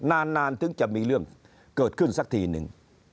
นานถึงจะมีเรื่องเกิดขึ้นสักทีหนึ่ง